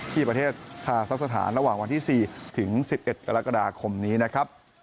ที่ประเทศคาซักสถานระหว่างวันที่๔ถึง๑๑กรกฎาคมนี้นะครับ